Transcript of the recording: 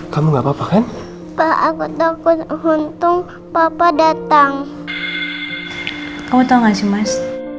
kamu nggak papa kan aku takut hontung papa datang kamu tahu enggak sih mas